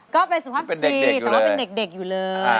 ก็เป็นสุภาพสตรีแต่ว่าเป็นเด็กอยู่เลย